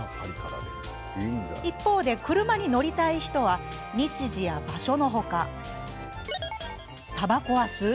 一方で、車に乗りたい人は日時や場所の他、たばこは吸う？